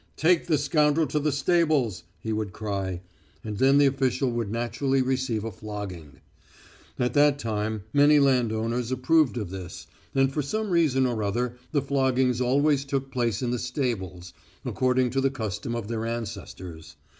"Take the scoundrel to the stables!" he would cry. And then the official would naturally receive a flogging. At that time many landowners approved of this, and for some reason or other the floggings always took place in the stables, according to the custom of their ancestors.